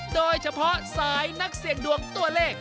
โดยเฉพาะสายนักเสี่ยงดวงตัวเลข